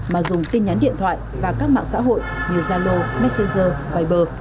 mà dùng tin nhắn điện thoại và các mạng xã hội như zalo messenger viber